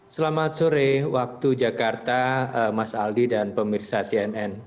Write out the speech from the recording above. selamat sore waktu jakarta mas aldi dan pemirsa cnn